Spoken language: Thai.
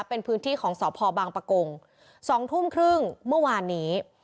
เป็นพื้นที่ของสพบางประกง๒ทุ่มครึ่งเมื่อวานนี้